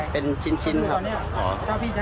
เป็นชิ้นครับ